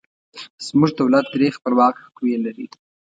زموږ دولت درې خپلواکه قوې لري.